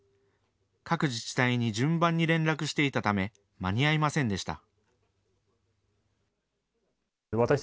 各自治体に順番に連絡していたため間に合いませんでした。